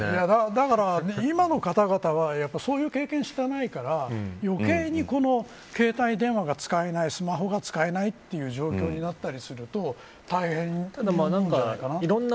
だから今の方々はそういう経験知らないから余計に携帯電話が使えないスマホが使えないという状況になったりすると大変なんじゃないかな。